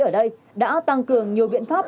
ở đây đã tăng cường nhiều biện pháp